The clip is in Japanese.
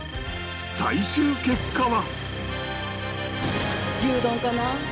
最終結果は